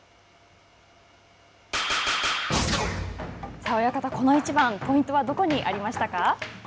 さあ親方、この一番、ポイントはどこにありましたか。